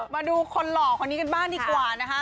มาดูคนหล่อคนนี้กันบ้างดีกว่านะคะ